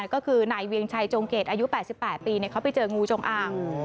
ก็คือนายเวียงชัยจงเกตอายุ๘๘ปีเขาไปเจองูจงอ่าง